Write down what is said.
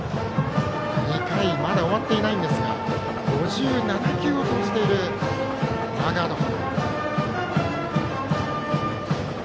２回まだ終わっていないんですが５７球を投じているマーガード。